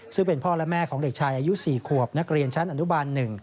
ซึ่งเป็นพ่อและแม่ของเด็กชายอายุ๔ขวบนักเรียนชั้นอนุบาล๑